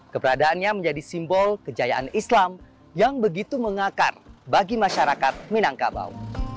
keberadaannya menjadi simbol kejayaan islam yang begitu mengakar bagi masyarakat minangkabau